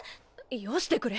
よしてくれ。